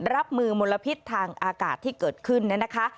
รับมือมลพิษทางอากาศที่เกิดขึ้นเนี่ยนะคะ